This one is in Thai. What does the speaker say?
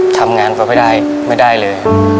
ทำงานก็ไม่ได้ไม่ได้เลย